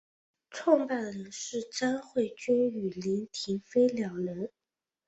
创办人是詹慧君与林庭妃两人。